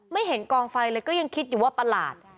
ไม่เห็นกองไฟเลยก็ยังคิดอยู่ว่าประหลาด